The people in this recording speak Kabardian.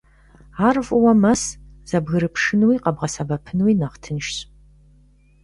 Ар фӀыуэ мэс, зэбгрыпшынуи къэбгъэсэбэпынуи нэхъ тыншщ.